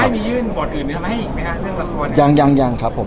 ไม่มียื่นบอร์ดอื่นมั้ยอีกไหมฮะเรื่องละครยังยังยังครับผม